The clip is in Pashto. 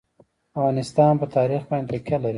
افغانستان په تاریخ باندې تکیه لري.